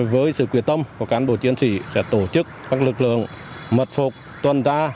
với sự quyết tâm của cán bộ chiến sĩ sẽ tổ chức các lực lượng mật phục tuần tra